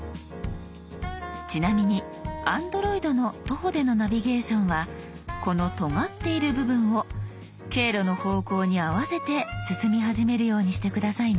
ちなみにＡｎｄｒｏｉｄの徒歩でのナビゲーションはこのとがっている部分を経路の方向に合わせて進み始めるようにして下さいね。